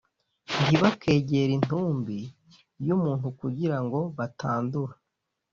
Ntibakegere intumbi y’umuntu kugira ngo batandura